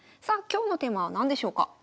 さあ今日のテーマは何でしょうか？